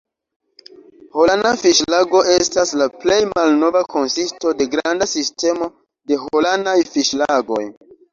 Holana fiŝlago estas la plej malnova konsisto de granda sistemo de Holanaj fiŝlagoj.